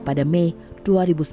pada minggu depan